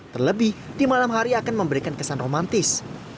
terlebih di malam hari akan memberikan kesan romantis